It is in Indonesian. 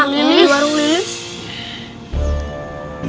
di barung liis